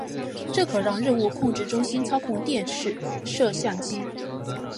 这可让任务控制中心操控电视摄像机。